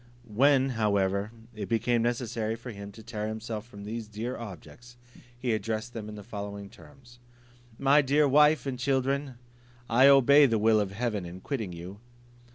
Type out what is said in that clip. When, however, it became necessary for him to tear himself from these dear objects, he addressed them in the following terms: "My dear wife and children, I obey the will of heaven in quitting you.